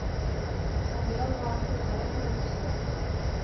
També el va acusar de corrupció.